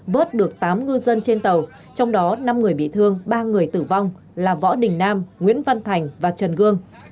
vớt được tám ngư dân trên tàu trong đó năm người bị thương ba người tử vong là võ đình nam nguyễn văn thành và trần gương